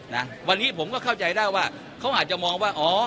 นะวันนี้ผมก็เข้าใจได้ว่าเขาอาจจะมองว่าอ๋อ